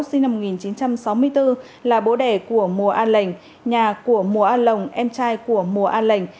sinh năm một nghìn chín trăm sáu mươi bốn là bố đẻ của mùa an lệnh nhà của mùa a lồng em trai của mùa an lệnh